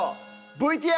ＶＴＲ。